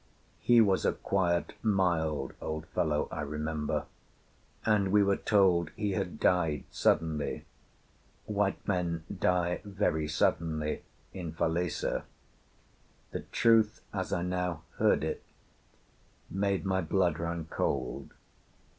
He was a quiet, mild old fellow, I remember, and we were told he had died suddenly: white men die very suddenly in Falesá. The truth, as I now heard it, made my blood run cold.